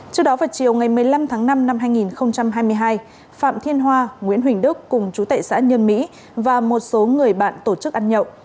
trước đó vào chiều ngày một mươi năm tháng năm năm hai nghìn hai mươi hai phạm thiên hoa nguyễn huỳnh đức cùng chú tệ xã nhơn mỹ và một số người bạn tổ chức ăn nhậu